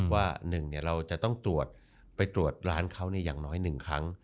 ว่า๑เราจะต้องตรวจไปตรวจร้านเขาอย่างน้อย๑ครั้ง